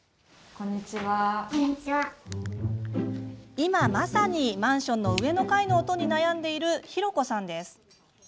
今まさにマンションの上の階の音に悩んでいる、ひろこさんです。